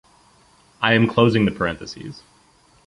I am closing the parentheses.